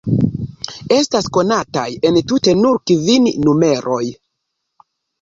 Estas konataj entute nur kvin numeroj.